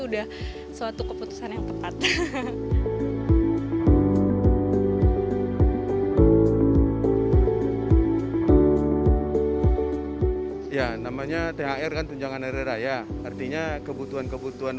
udah suatu keputusan yang tepat ya namanya thr kan tunjangan hari raya artinya kebutuhan kebutuhan